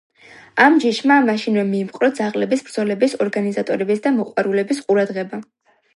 ამ ჯიშმა მაშინვე მიიპყრო ძაღლების ბრძოლების ორგანიზატორების და მოყვარულების ყურადღება.